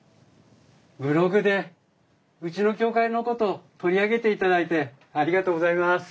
ブログでうちの協会のこと取り上げていただいてありがとうございます。